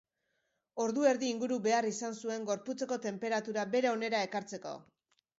Ordu erdi inguru behar izan zuen gorputzeko tenperatura bere onera ekartzeko.